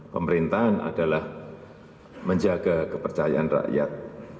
pemerintahan adalah menjaga kepercayaan rakyat